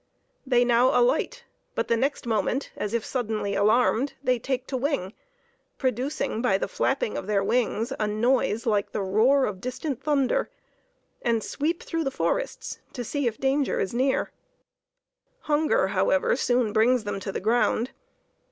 They now alight, but the next moment, as if suddenly alarmed, they take to wing, producing by the flapping of their wings a noise like the roar of distant thunder, and sweep through the forests to see if danger is near. Hunger, however, soon brings them to the ground.